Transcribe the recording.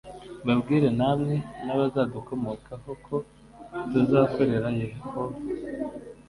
mbabwire namwe n abazadukomokaho ko tuzakorera Yehova